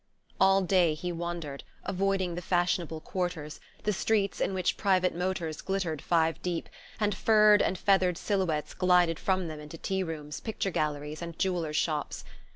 All day he wandered, avoiding the fashionable quarters, the streets in which private motors glittered five deep, and furred and feathered silhouettes glided from them into tea rooms, picture galleries and jewellers' shops.